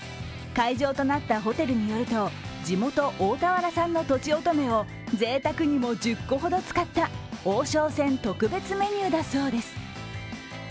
会場となったホテルによると地元・大田原産のとちおとめをぜいたくにも１０個ほど使った王将戦特別メニューだそうです。